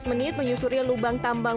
lima belas menit menyusuri lubang tambang